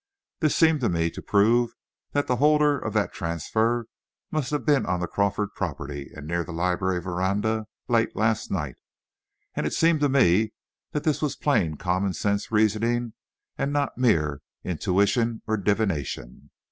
This seemed to me to prove that the holder of that transfer must have been on the Crawford property and near the library veranda late last night, and it seemed to me that this was plain common sense reasoning, and not mere intuition or divination.